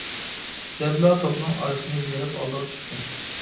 دەپلا توپنىڭ ئارىسىنى يىرىپ ئالدىغا چىقتى.